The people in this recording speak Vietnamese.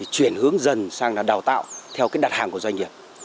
chuyển hướng dần sang là đào tạo theo đặt hàng của doanh nghiệp